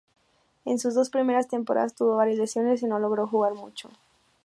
En sus dos primeras temporadas tuvo varias lesiones y no logró jugar mucho.